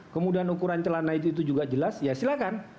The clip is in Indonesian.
kemudian ukuran celana itu juga jelas ya silakan